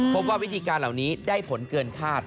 พบว่าวิธีการเหล่านี้ได้ผลเกินคาด